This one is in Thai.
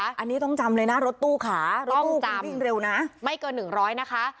อันนี้ต้องจำเลยนะรถตู้ขาต้องจำเร็วนะไม่เกิน๑๐๐นะคะ